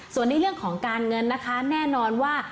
ส่วนในเรื่องของการเงินนะคะแน่นอนว่า